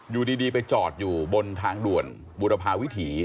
อยู่ดีไปจอดอยู่บนทางด่วนบุรพาวิถี